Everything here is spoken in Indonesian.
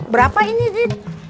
berapa ini din